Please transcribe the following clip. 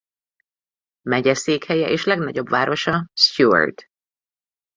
Megyeszékhelye és legnagyobb városa Stuart.